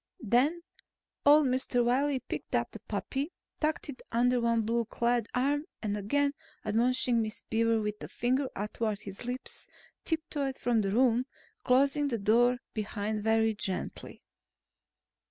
Then old Mr. Wiley picked up the puppy, tucked it under one blue clad arm and again admonishing Miss Beaver with a finger athwart his lips, tiptoed from the room, closing the door behind very gently.